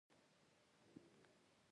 د هغه ډيپلوماسي بریالی وه.